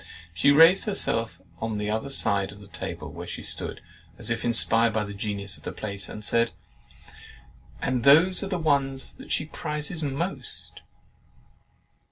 She raised herself on the other side of the table where she stood, as if inspired by the genius of the place, and said—"AND THOSE ARE THE ONES THAT SHE PRIZES THE MOST!"